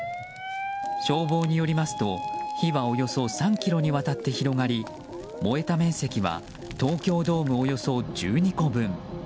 消防によりますと、火はおよそ３ｋｍにわたって広がり燃えた面積は東京ドームおよそ１２個分。